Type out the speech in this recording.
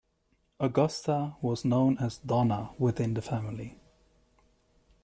Augusta was known as "Dona" within the family.